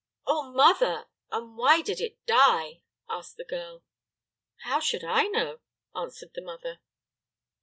"Oh, mother! and why did it die?" asked the girl. "How should I know?" answered the mother.